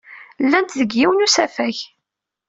Llant deg yiwen n usafag.